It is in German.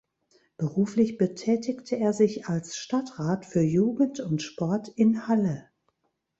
Beruflich betätigte er sich als Stadtrat für Jugend und Sport in Halle.